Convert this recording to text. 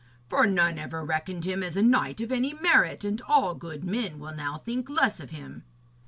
'For none ever reckoned him as a knight of any merit, and all good men will now think less of him.'